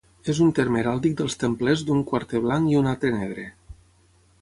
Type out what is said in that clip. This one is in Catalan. És un terme heràldic dels templers d’un quarter blanc i un altre negre.